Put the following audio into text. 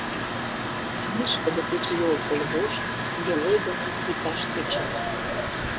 Вишкыде кечыйол пыл вошт йыле гына виташ тӧча.